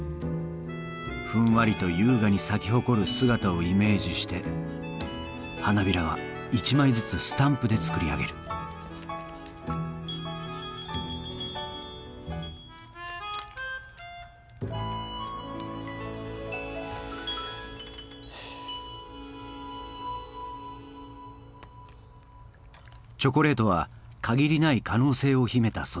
ふんわりと優雅に咲き誇る姿をイメージして花びらは一枚ずつスタンプで作り上げるチョコレートは限りない可能性を秘めた素材。